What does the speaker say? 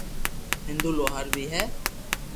ھندو لوھار بي ھي